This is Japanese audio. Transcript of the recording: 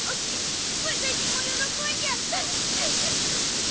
私も喜んじゃったうっ